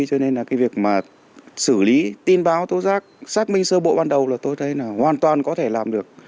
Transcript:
cho nên là cái việc mà xử lý tin báo tố giác xác minh sơ bộ ban đầu là tôi thấy là hoàn toàn có thể làm được